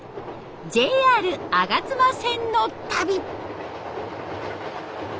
ＪＲ吾妻線の旅。